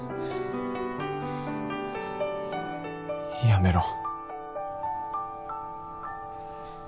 やめろ